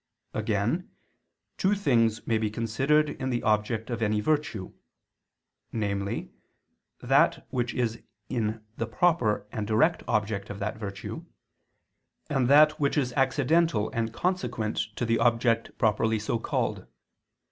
Again two things may be considered in the object of any virtue; namely, that which is the proper and direct object of that virtue, and that which is accidental and consequent to the object properly so called.